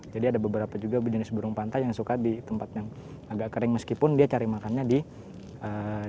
jadi ada beberapa juga jenis burung pantai yang suka di tempat yang agak kering meskipun dia cari makannya di tempat yang kurang